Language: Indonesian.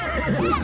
ajan kemana ajan